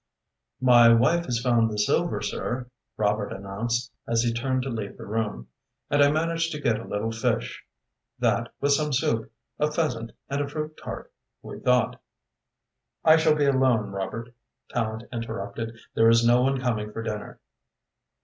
"My wife has found the silver, sir," Robert announced, as he turned to leave the room, "and I managed to get a little fish. That, with some soup, a pheasant, and a fruit tart, we thought " "I shall be alone, Robert," Tallente interrupted. "There is no one coming for dinner."